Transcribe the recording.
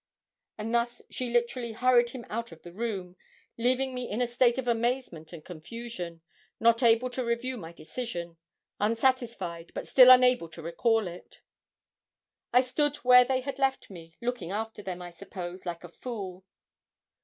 And thus she literally hurried him out of the room, leaving me in a state of amazement and confusion, not able to review my decision unsatisfied, but still unable to recall it. I stood where they had left me, looking after them, I suppose, like a fool.